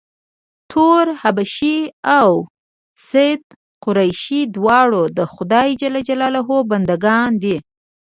تور حبشي او سید قریشي دواړه د خدای ج بنده ګان دي.